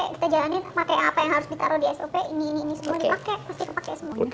kita jalanin pakai apa yang harus ditaruh di sop